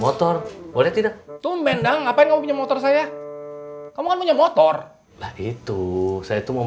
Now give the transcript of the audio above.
motor boleh tidak tumben dang ngapain kamu pinjam motor saya kamu kan punya motor itu saya tuh mau